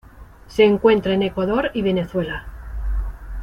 Se encuentra en Ecuador y Venezuela.